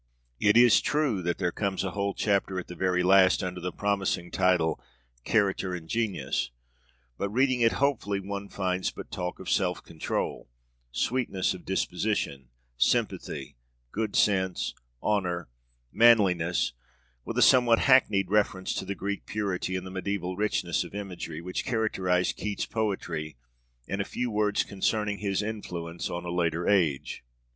It is true that there comes a whole chapter at the very last, under the promising title, 'Character and Genius'; but reading it hopefully, one finds but talk of 'self control,' 'sweetness of disposition' 'sympathy,' 'good sense,' 'honor,' 'manliness' with a somewhat hackneyed reference to the Greek purity and the mediæval richness of imagery which characterize Keat's poetry, and a few words concerning his influence on a later age.